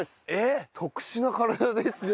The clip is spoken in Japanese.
特殊な体ですね。